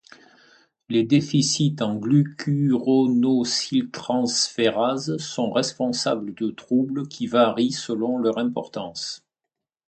Les déficits en glucuronosyltransférases sont responsables de troubles qui varient selon leur importance.